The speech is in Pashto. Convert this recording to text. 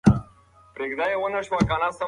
موږ باید خپل کلتور ته درناوی وکړو.